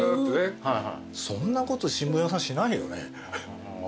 そんなこと新聞屋さんしないよね。